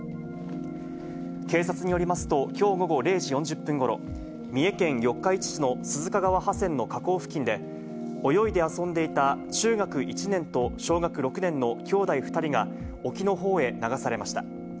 警察によりますと、きょう午後０時４０分ごろ、三重県四日市市の鈴鹿川派川の河口付近で泳いで遊んでいた中学１年と小学６年の兄弟２人が、沖のほうへ流されました。